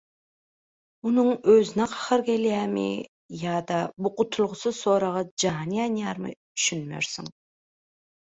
Onuň özüne gahary gelýärmi ýa-da bu gutulgusyz soraga jany ýanýarmy düşünmersiň.